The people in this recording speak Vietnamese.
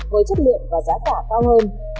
với chất lượng và giá trả cao hơn